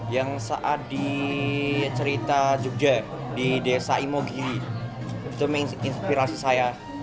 yang saat di cerita jogja di desa imogiri itu menginspirasi saya